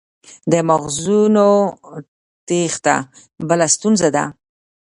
د مغزونو تیښته بله ستونزه ده.